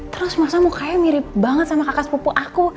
terus masa mukanya mirip banget sama kakak sepupu aku